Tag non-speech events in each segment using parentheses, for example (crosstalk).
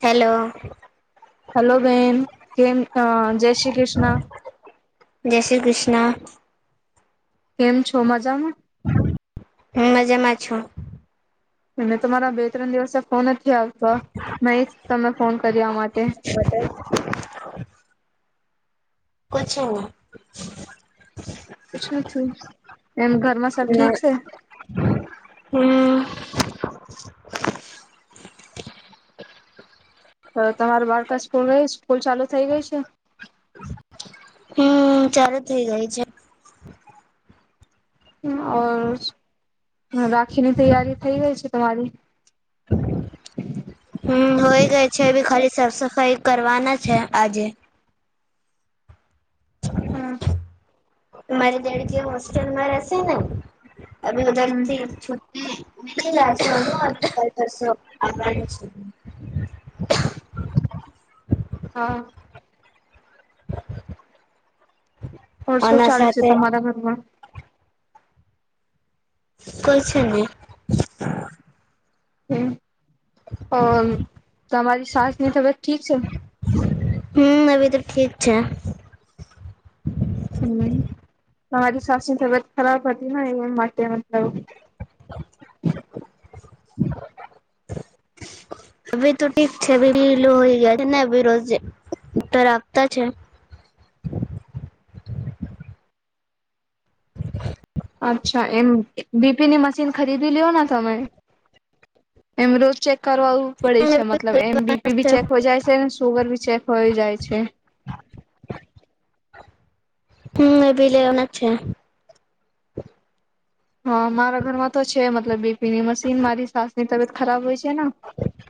Hello. Hello, બેન. કેમ હા, જય શ્રી કૃષ્ણ. જય શ્રી કૃષ્ણ. કેમ છો મજામાં? હું મજામાં છું. હું ને તમારા બે, ત્રણ દિવસ ફોન અજ જ્યાર તા મૈ ઇજ તમે ફોન કર્યો આ માટે પછો. પછું છું, એમ ઘરમાં સબ ના ઠીક છે? હમ (inaudible) તો તમારો બાળકા સ્કૂલ રહી સ્કૂલ ચાલુ થઈ ગઈ છે? હમ્મ, ચાલુ થઇ ગઈ છે. ઔર રાખીની તૈયારી થઈ ગઈ છે તમારી? હમ્મ, હોય ગઈ છે અભી ખાલી સાફ સફાઈ કરવાના છે આજે. હમ્મ. મારી દેઢગી હોસ્ટેલમાં રહેશે ને. હમ (unintelligible) (inaudible) હા. તરસો આના ચાલુ થયું સાથે તમારા ઘરમાં. કોઈ છે ની. હમ્મ. અ તમારી સાસની તબિયત ઠીક છે? હમ્મ, અભી તો ઠીક છે. હમ્મ, તમારી સાસની તબિયત ખરાબ હતી ને એ માટે (inaudible) હવે તો ઠીક છે (unintelligible) રાખતા છે. અચ્છા. એમ બી પીની મશીન ખરીદી લ્યો ને તમે? એમ રોજ ચેક કરવાવું પડે છે મતલબ એમ બી પી ભી ચેક હોય જાય છે ને સુગર ભી ચેક હોય જાય છે. હમ્મ, એ ભી લેવાના છે. હા મારા ઘરમાં તો છે, મતલબ બી પી ની મશીન મારી સાસની. તમે ત ખરાબ હોય છે ને,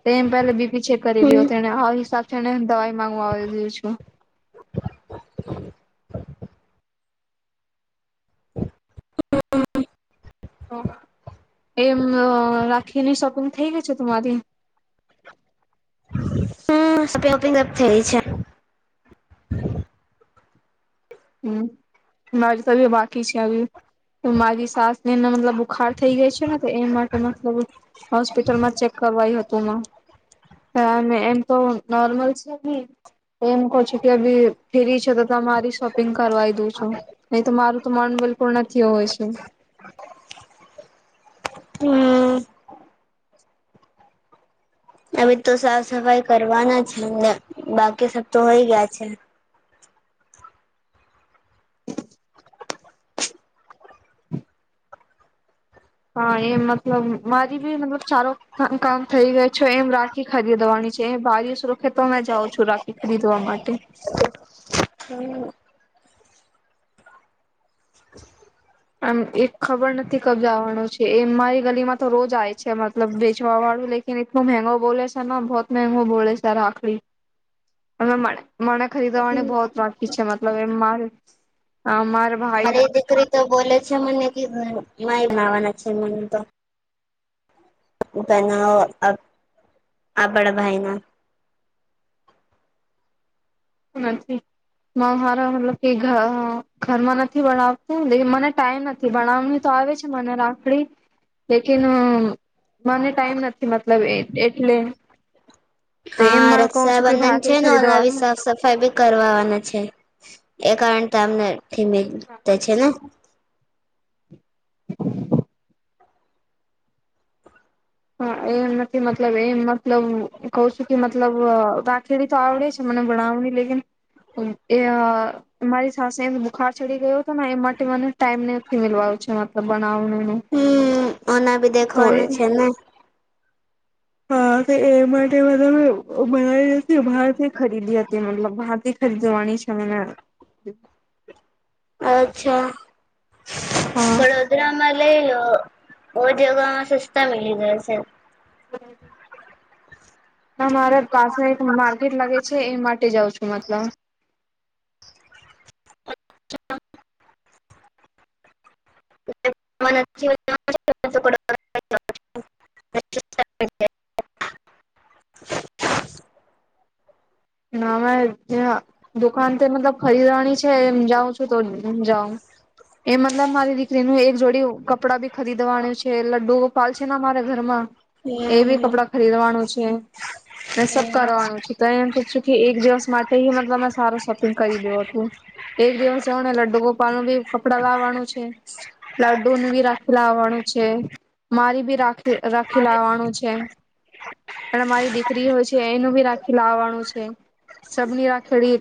તો એમ થાય બી પી ચેક કરી લીએ હમ તો એને આ હિસાબ ચણાની દાળ. માંગુ આવી રી છું. એમ રાખીની શોપિંગ થઈ ગઈ છે તમારી? હમ, સે ઓપિંગપ થઈ છે હમ, મારી તો બાકી છે, મારી સાસ ને મતલબ બુખાર થઈ ગઈ છે ને તો એ માટે મતલબ હોસ્પિટલમાં ચેક કરવાઈ હતી એમ તો નોર્મલ છે, ની એમ ક છો કેી ફ્રી છે તો તમારી શપ કરવા દઉ છું, નહી તો મારું તો માનવેલ, પૂણા આવે છે હમ અમે તો સાફ સફાઈ કરવાના છે, ના, બાકી સબ તો વઈ ગયા છે હા, એ મતલબ મારી, બી મતલબ સારો કામ થઈ ગયો છે એમ રાખી ખરીદવાની છે એ બારીશ રૂકે તો જાઉં મે છું રાખી ખરીદવા માટે આમ એક ખબર નથી કબજાવાનું છે એ મારી ગલી માં તો રોજ આય છે મતલબ વચવા વાળું લેકન એટલું મંગો બોલે છે બહત મગો બોલે સર રાખડી અ મને ખરીદવાને બહૂત બાકી છે મતલબ એ મારે મારે મારી દીકરી તો બોલે છે જો મને કેય, નાવાના છે મન તો છે મન તો બના આ બડા ભાઈના નથી મારા હાર મતલબ કે ઘરમાં નથી ભણાવતું મને ટાઈમ નથી ભણ તો આવે છે, મને રાખડી લેકિન મને ટાઈમ નથી મતલબ એ એટલે તો હા એમાં કહ છું કે રક્ષાબંધન છે ભાખરી ને ઓના ખરીદવા વિ સાફ સફ બી કરવાવાના છે (unintelligible) થીમે હા ત્યાં છે ને (inaudible) (inaudible) હ, એમ નથી મતલબ એમ મતલબ કહ છું કે મતલબ રાખેડી તો આવડે છે મને ભણાવવાની લેકિન એ મારી સાસે એમ બુખાર ચડી ગયો હતો ના એ માટે મને ટાઈમ નથી મેલવા છે મતલબ બા હમ્મ ઓના બી તો એ દેખવાનું છે ને. હા તો એ માટે બધા માં એવો ઓ બરાઈ હતી બહારથી ખરીદી હતી મતલબ બહારથી ફરી જોવાની છે મને અચ્છા. હા વડોદરામાં લઈ લો ઓ જગામાં સસ્તા મીલી જશે. (inaudible) ના મારે પાસે એક માર્કેટ લાગે છે એ માટે જાઉ છું. તેમ આટલા ચ (inaudible) ના મેં ઝા દુકાન તો મતલબ ખરીદવાની છે એમ જાઉં છું તો જાઉં એ મતલબ મારી દીકરીનું એક જોડી કપડાં બી ખરીદવાનું છે લડ્ડુ ગોપાલ છે ને મારા ઘરમાં એ બી હમ કપડા ખરીદવાનું છે ને સબ કરવાનું છે તો એમ છે શું કે એક દિવસ માટે હિ મતલબ મેં સારો શોપિંગ કરી દે ઓ હતું. એક દિવસ જાઉં ને લડ્ડુ ગોપાલ નું બી કપડા લવાનું છે. લડડુ બી રાખેલા આવાડ મારી ભી રાખ રાખી લવાનું છે અને મારી દીકરી હોય છે એનું ભી રાખી લાવવાનું છે. સબની અ રાખેડી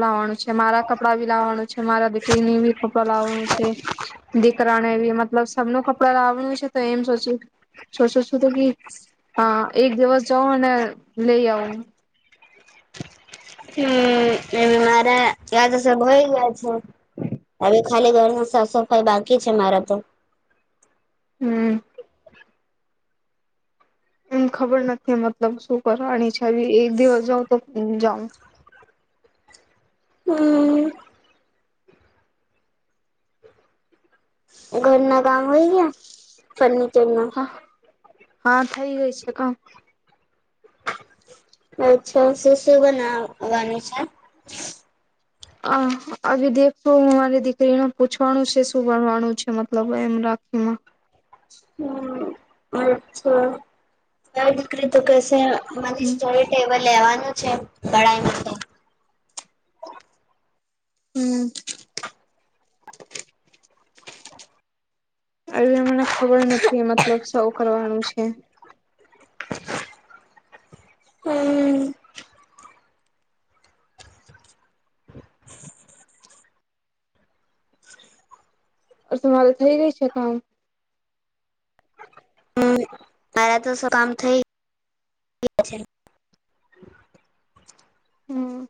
લાવવાનું છે. મારા કપડાં બી લાવવાનું છે, મારા દીકરીને બી કપડા લાવવાનું છે, દીકરાને બી મતલબ સબનું કપડા લાવવાનું છે તો એમ સોચું છું એક દિવસ જવ અને લઈ આવું. હમ એ મારા તો હોય ગયા છે હવે ખાલી ઘરની સાફ સફાઈ બાકી છે મારા તો. હમ્મ. એમ ખબર નથી મતલબ શું કરવાની છે એક દિવસ જાઉ તો જાઉ. હમ ચલ (unintelligible) હા હા થઈ ગઈ છે કણ અટછાશું શું બનવવાનું છે હ આવી દેખું હું મારી દીકરીને પૂછવાનું છે શું બણવાનું છે મતલબ એમ રાખીમાં હમ અચ્છા તાર દીકરી તો કેસે મ સ્ટડી ટેબલ લેવાનુ છે પડાઈ મા છે હમ આવી મને ખબર નથી મતલબ સૌ કરવાનું છે હમ તમારે થઇ ગઈ છે કામ મારા તો શું કામ થઈ છે હમ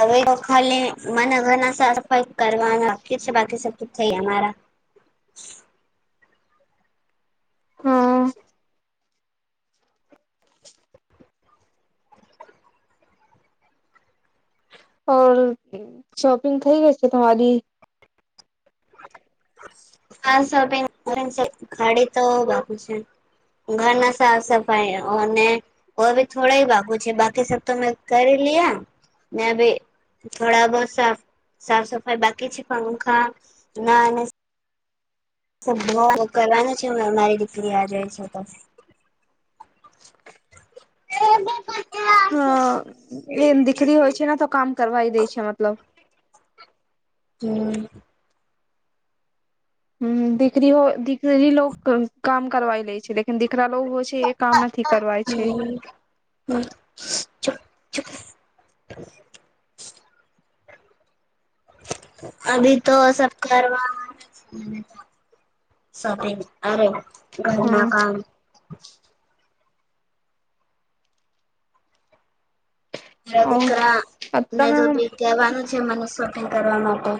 અવે તો ખાલી મને ઘર સાફ સફાઈ કરવાનું બાકી છે બાકી સબ થઈ ગયા મારા હા શોપિંગ થઈ ગઈ છે તમારી સા (inaudible) (inaudible) ખાડી તો બા છે ઘરના સાફ સફાઈ અને ઓ હવે થોડા વાાગો બાકી સ તો મેં કરી લયા ને ભી થોડા બહ સાફ સાફ સફાઈ બાકી છે પણખા ના કરવાનું છે મારી દીકરી આ જઈ છે તો હ એમ દીકરી હોય છે ને તો કામ કરવાઈ દે છે મતલબ હમ હમ દીકરી હો દીકરી લો કામ કરવાઈ લે છે કે દીકરા લોકો હોય છે એ કામ નથી કરવાય છે હમ્મ હમ્મ (inaudible) અભી તો સબ કરવા (inaudible) અરે હા ઘરના કામ અરે ઓ દીકરાને તમે તો ભી કહેવાનું છે મને શોપિંગ કરવા માટે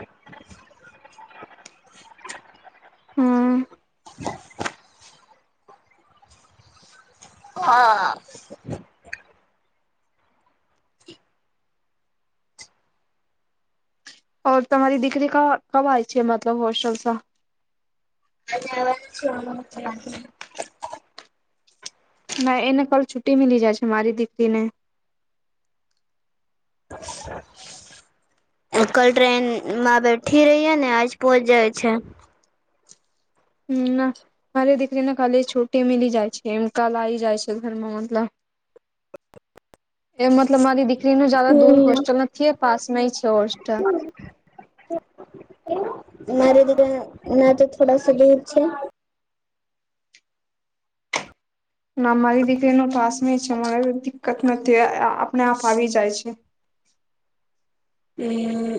હમ (inaudible) હા ઓ તમારી દીકરી ક કબ આય છે મતલબ હોસ્ટલસા (inaudible) (unintelligible) ના એને કાલ છુટી મિલી જાય છે મારી દીકરીને કલ ટ્રેન માં બેઠી રહી ને આજ પહોંચ જાય છે હમ ના મારી દીકરીને ખાલી છૂટી મિલી જાય છે એમ કાલ આવી જાય છે ઘરમાં મતલબ એ મતલબ મારી દીકરીનું જદ દૂર હોસ્ટેલ હમ નથી એ પાસમાં છે હોસ્ટલ મારી દીકરી ને તો થોડા સા દૂર છે અમારી દીકરી ન ટાસ ન છે અમારે દિકકત નથી આપને આપ આવી જાય છે હમ્મ,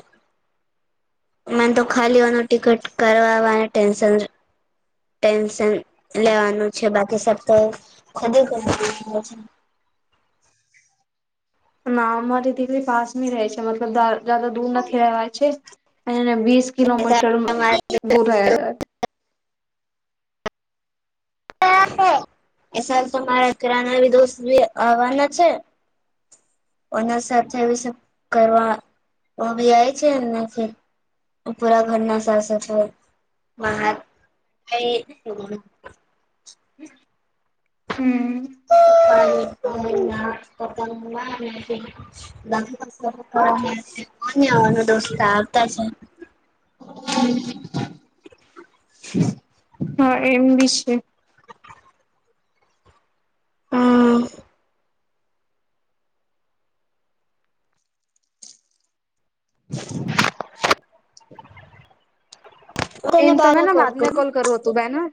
મને તો ખાલીઓનું ટિકટ કરવાની ટેન્શન ટેન્શન લેવાનું છે બાકી સબ તો ના અમારી દીકરી પાસમી રહે છે. મતલબ દર જદા દૂર નથી રેવાય છે અને એને વીસ કિલોમીટર છે. દૂર રહે. રા ઘરા ના દોસ્તી આવવાના છે એના સાથે એ કરવાય છે પૂરા ઘરના સાથે (inaudible) હમ્મ. (inaudible) હા એમ બી શે. હમ્મ. એમ તમે ને બાદ મે કોલ કરું હતું ભાઈને.